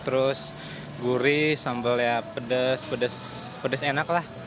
terus gurih sambelnya pedas pedas enak lah